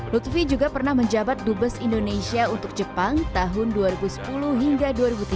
lutfi juga pernah menjabat dubes indonesia untuk jepang tahun dua ribu sepuluh hingga dua ribu tiga